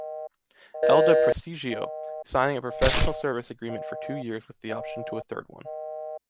Elda Prestigio, signing a professional service agreement for two years with the option to a third one.